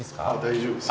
大丈夫です。